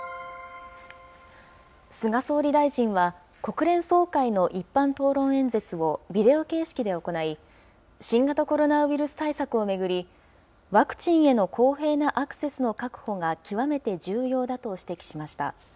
菅総理大臣は、国連総会の一般討論演説をビデオ形式で行い、新型コロナウイルス対策を巡り、ワクチンへの公平なアクセスの確保が極めて重要だと指摘しました。